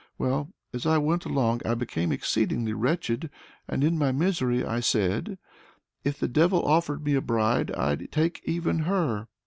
Well, as I went along I became exceedingly wretched, and in my misery I said: 'If the devil offered me a bride, I'd take even her!'"